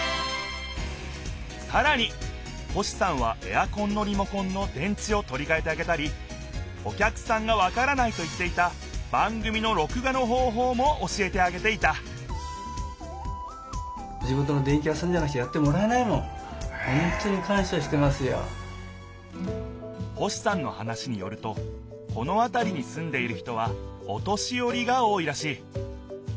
さらに星さんはエアコンのリモコンの電池をとりかえてあげたりお客さんがわからないといっていた番組のろく画の方ほうも教えてあげていた星さんの話によるとこのあたりにすんでいる人はお年よりが多いらしい。